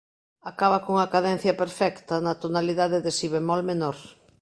Acaba cunha cadencia perfecta na tonalidade de si bemol menor.